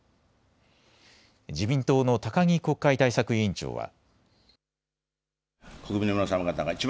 自民党の高木国会対策委員長は。